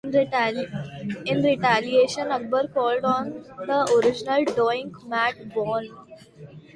In retaliation Akbar called on the original Doink Matt Borne.